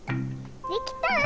できた！